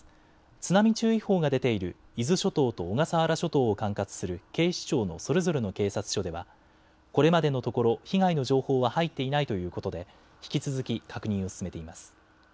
津波注意報が出ている伊豆諸島と小笠原諸島を管轄する警視庁のそれぞれの警察署ではこれまでのところ被害の情報は入っていないということで引き続き確認を進めています。